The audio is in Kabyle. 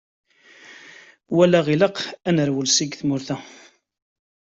walaɣ ilaq ad nerwel seg tmurt-a.